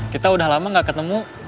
kita udah lama gak ketemu